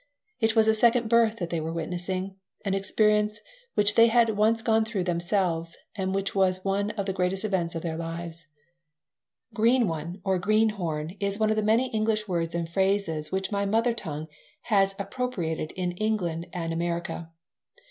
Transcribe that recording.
It was a second birth that they were witnessing, an experience which they had once gone through themselves and which was one of the greatest events in their lives. "Green one" or "greenhorn" is one of the many English words and phrases which my mother tongue has appropriated in England and America.